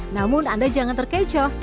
namun anda jangan terkecoh